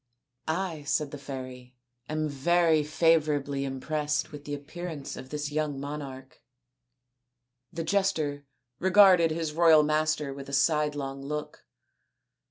" I," said the fairy, " am very favourably im pressed with the appearaiKe of this young monarch." The jester regarded his royal master with a sidelong look.